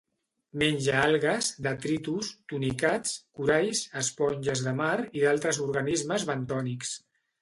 Menja algues, detritus, tunicats, coralls, esponges de mar i d'altres organismes bentònics.